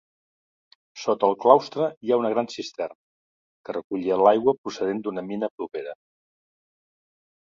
Sota el claustre hi ha una gran cisterna, que recollia l'aigua procedent d'una mina propera.